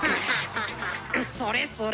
それそれ！